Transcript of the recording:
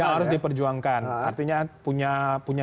tidak harus diperjuangkan artinya punya